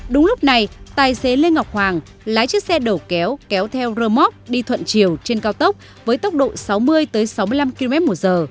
đúng lúc này tài xế lê ngọc hoàng lái chiếc xe đổ kéo kéo theo rơ móc đi thuận chiều trên cao tốc với tốc độ sáu mươi sáu mươi năm kmh